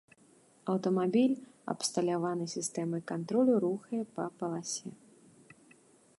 Аўтамабіль абсталяваны сістэмай кантролю руху па паласе.